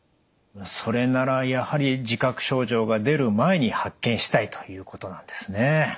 それならやはり自覚症状が出る前に発見したいということなんですね。